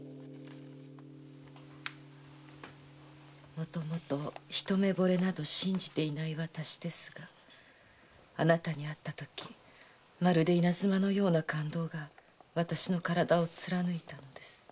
「もともとひと目惚れなど信じていない私ですがあなたに会ったときまるで稲妻のような感動が私の身体を貫いたのです」